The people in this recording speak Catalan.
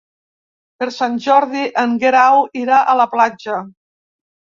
Per Sant Jordi en Guerau irà a la platja.